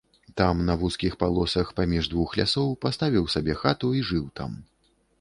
Там на вузкіх палосах паміж двух лясоў паставіў сабе хату і жыў там.